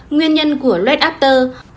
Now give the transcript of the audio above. nguyên nhân của lết after